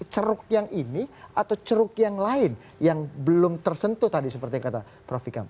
ceruk yang ini atau ceruk yang lain yang belum tersentuh tadi seperti kata prof vikam